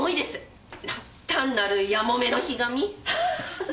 単なるヤモメのひがみ？